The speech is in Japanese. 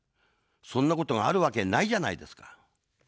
そんなことがあるわけないじゃないですか。